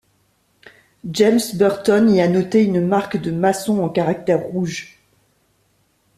James Burton y a noté une marque de maçon en caractères rouges.